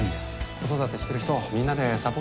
子育てしてる人をみんなでサポートしよう。